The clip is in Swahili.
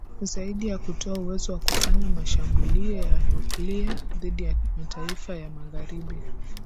zaidi ya kutoa uwezo wa kufanya mashambulio ya nuklia dhidi ya mataifa ya magharibi